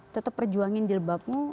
tetap perjuangin jilbabmu